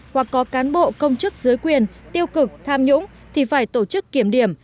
hoặc có cán bộ công chức dưới quyền tiêu cực tham nhũng thì phải tổ chức kiểm điểm